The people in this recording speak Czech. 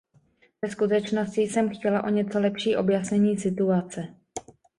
Ve skutečnosti jsem chtěla o něco lepší objasnění situace.